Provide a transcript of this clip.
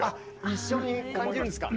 一緒に感じるんすか。